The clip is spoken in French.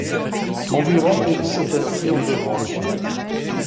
Environ périssent ainsi en deux mois.